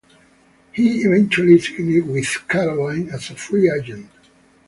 He eventually signed with Carolina as a free agent.